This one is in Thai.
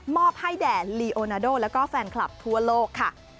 อบให้แด่ลีโอนาโดแล้วก็แฟนคลับทั่วโลกค่ะ